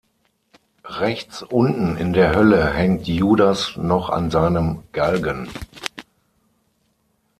Rechts unten in der Hölle hängt Judas noch an seinem Galgen.